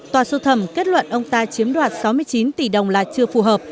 tòa sơ thẩm kết luận ông ta chiếm đoạt sáu mươi chín tỷ đồng là chưa phù hợp